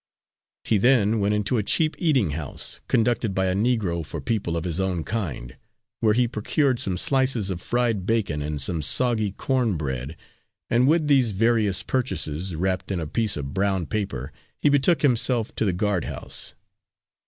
He then went into a cheap eating house, conducted by a Negro for people of his own kind, where he procured some slices of fried bacon, and some soggy corn bread, and with these various purchases, wrapped in a piece of brown paper, he betook himself to the guardhouse.